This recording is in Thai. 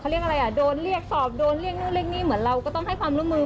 เรียกอะไรอ่ะโดนเรียกสอบโดนเรียกนู่นเรียกนี่เหมือนเราก็ต้องให้ความร่วมมือ